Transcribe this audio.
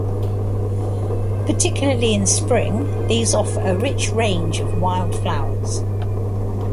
Particularly in spring, these offer a rich range of wild flowers.